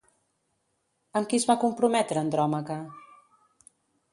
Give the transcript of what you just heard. Amb qui es va comprometre Andròmaca?